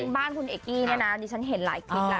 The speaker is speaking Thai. บ้านคุณเอกกี้เนี่ยนะดิฉันเห็นหลายคลิปแล้ว